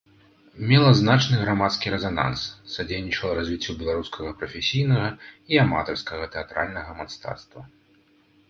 Мела значны грамадскі рэзананс, садзейнічала развіццю беларускага прафесійнага і аматарскага тэатральнага мастацтва.